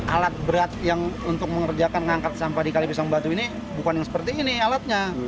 alat berat yang untuk mengerjakan mengangkat sampah di kalipisang batu ini bukan yang seperti ini alatnya